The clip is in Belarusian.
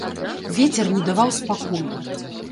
Вецер не даваў спакою.